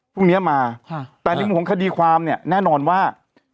พรุ่งนี้มาแต่ที่มุมของคดีความแน่นอนว่า